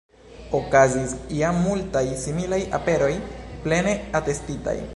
Okazis ja multaj similaj aperoj, plene atestitaj.